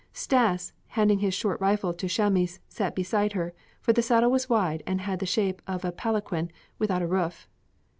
Stas, handing his short rifle to Chamis, sat beside her, for the saddle was wide and had the shape of a palanquin without a roof.